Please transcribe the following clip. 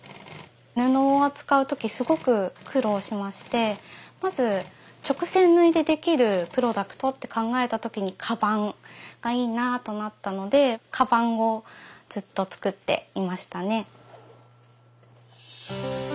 布を扱う時すごく苦労しましてまず直線縫いでできるプロダクトって考えた時にかばんがいいなとなったのでかばんをずっと作っていましたね。